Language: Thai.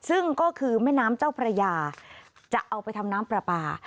ซึ่งก็คือแม่น้ำเจ้าพระยาจะเอาไปทำน้ำปลาปลา